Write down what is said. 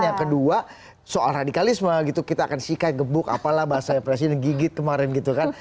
yang kedua soal radikalisme gitu kita akan sikat gebuk apalah bahasanya presiden gigit kemarin gitu kan